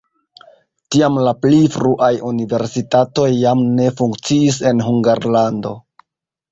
Tiam la pli fruaj universitatoj jam ne funkciis en Hungarlando.